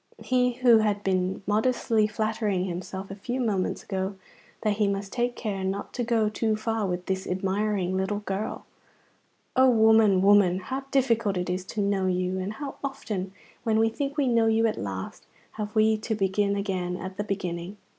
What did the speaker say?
He who had been modestly flattering himself a few moments ago that he must take care not to go too far with this admiring little girl! O woman, woman, how difficult it is to know you, and how often, when we think we know you at last, have we to begin again at the beginning!